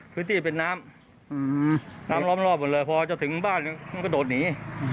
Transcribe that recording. ที่เป็นน้ำน้ำล้อมรอบหมดเลยพอจะถึงบ้านมันกระโดดหนี